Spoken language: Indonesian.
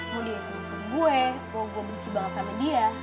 mau dihitung hukum gue bahwa gue benci banget sama dia